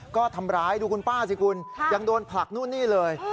ก็ทำร้ายดูคุณป้าสิคุณยังโดนผลักนู่นนี่เลย